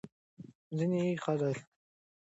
ځینې خلک له اضطراب سره مقاومت کوي.